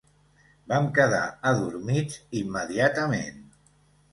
Vam quedar adormits immediatament.